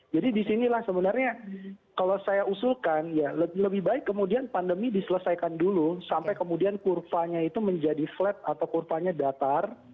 jadi di sinilah sebenarnya kalau saya usulkan ya lebih baik kemudian pandemi diselesaikan dulu sampai kemudian kurvanya itu menjadi flat atau kurvanya datar